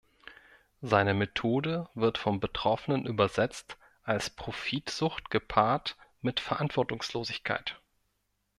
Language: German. Seine Methode wird vom Betroffenen übersetzt als Profitsucht gepaart mit Verantwortungslosigkeit.